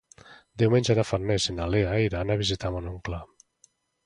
Diumenge na Farners i na Lea iran a visitar mon oncle.